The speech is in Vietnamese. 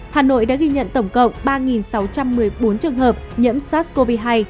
hà nội đã ghi nhận tổng cộng ba sáu trăm một mươi bốn trường hợp nhiễm sars cov hai